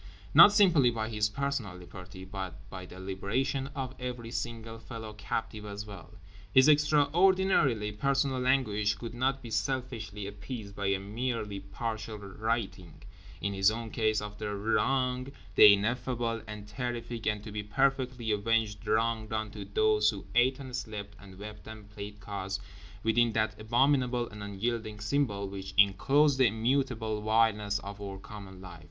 Not simply by his personal liberty, but by the liberation of every single fellow captive as well. His extraordinarily personal anguish could not be selfishly appeased by a merely partial righting, in his own case, of the Wrong—the ineffable and terrific and to be perfectly avenged Wrong—done to those who ate and slept and wept and played cards within that abominable and unyielding Symbol which enclosed the immutable vileness of our common life.